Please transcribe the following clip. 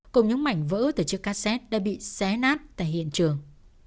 cùng những mảnh vỡ từ chiếc cassette đã bị xé nát tại hiện trường